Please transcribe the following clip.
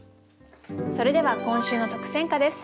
それでは今週の特選歌です。